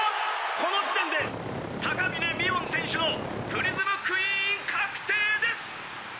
この時点で高峰みおん選手のプリズムクイーン確定です！